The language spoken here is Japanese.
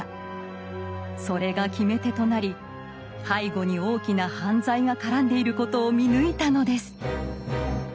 それが決め手となり背後に大きな犯罪が絡んでいることを見抜いたのです。